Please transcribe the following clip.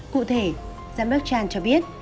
cụ thể giám đốc chan cho biết